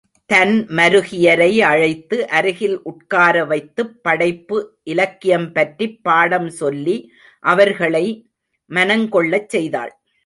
தன் மருகியரை அழைத்து அருகில் உட்காரவைத்துப் படைப்பு இலக்கியம் பற்றிப் பாடம் சொல்லி அவர்களை மனங் கொள்ளச் செய்தாள்.